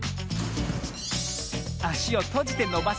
あしをとじてのばす。